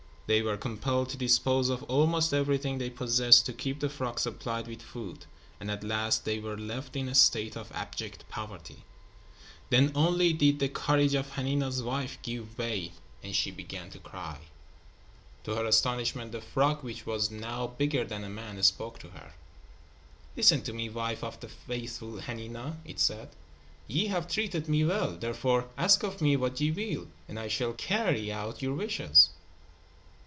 They were compelled to dispose of almost everything they possessed to keep the frog supplied with food, and at last they were left in a state of abject poverty. Then only did the courage of Hanina's wife give way and she began to cry. To her astonishment, the frog, which was now bigger than a man, spoke to her. "Listen to me, wife of the faithful Hanina," it said. "Ye have treated me well. Therefore, ask of me what ye will, and I shall carry out your wishes."